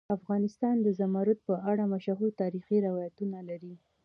افغانستان د زمرد په اړه مشهور تاریخی روایتونه لري.